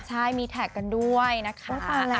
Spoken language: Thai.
ใช่มีแท็กกันด้วยนะคะ